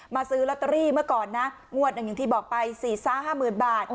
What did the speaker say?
มาซื้อลอตเตอรี่เมื่อก่อนนะงวดอย่างที่บอกไป๔๕หมื่นบาท